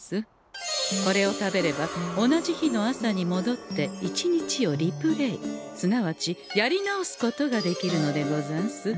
これを食べれば同じ日の朝にもどって一日をリプレイすなわちやり直すことができるのでござんす。